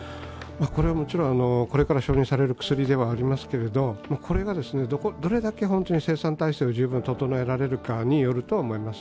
これはもちろんこれから承認される薬ではありますけどどれだけ生産体制を十分整えられるかによると思います。